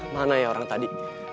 mana ya orang tadi